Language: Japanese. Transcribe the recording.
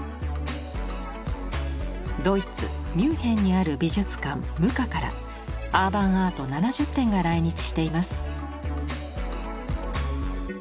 ドイツミュンヘンにある美術館ＭＵＣＡからアーバン・アート７０点が来日しています。